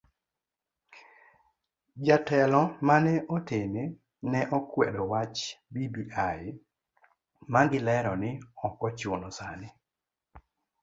Jotelo mane otene ne okwedo wach bbi magilero ni ok ochuno sani.